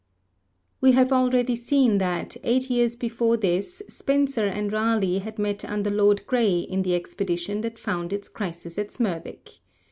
We have already seen that, eight years before this, Spenser and Raleigh had met under Lord Grey in the expedition that found its crisis at Smerwick.